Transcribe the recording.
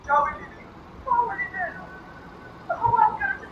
زورور هم تر چنګېز هم تر سکندر دی٫